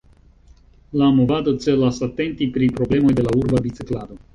La movado celas atenti pri problemoj de la urba biciklado.